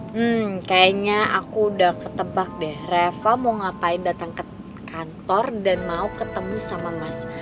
hmm kayaknya aku udah ketebak deh reva mau ngapain datang ke kantor dan mau ketemu sama mas